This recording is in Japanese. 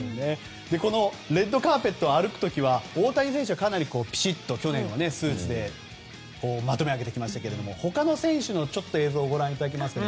このレッドカーペットを歩く時は大谷選手はかなりピシッと去年はスーツでまとめ上げてきましたが他の選手の映像をご覧いただけますか。